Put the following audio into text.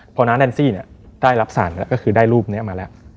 เพราะน้าแนนซี่เนี่ยได้รับศาลแล้วก็คือได้รูปเนี่ยมาแล้ว